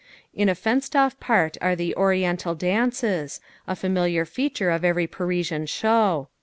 In a fenced off part are the Oriental Dances, a familiar feature of every Parisian Show.